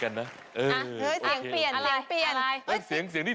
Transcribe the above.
กันนะเออเออเสียงเปลี่ยนเสียงเปลี่ยนอะไรเสียงเสียงนี่